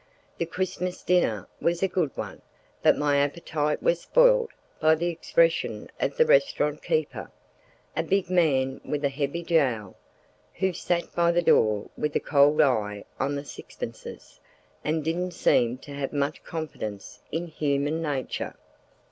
The Christmas dinner was a good one, but my appetite was spoilt by the expression of the restaurant keeper, a big man with a heavy jowl, who sat by the door with a cold eye on the sixpences, and didn't seem to have much confidence in human nature.